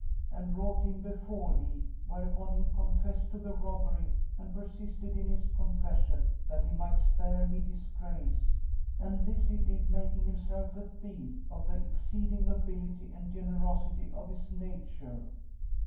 and brought him before thee, whereupon he confessed to the robbery and persisted in his confession, that he might spare me disgrace; and this he did, making himself a thief, of the exceeding nobility and generosity of his nature."